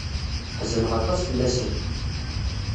Ḥezneɣ aṭas fell-asen.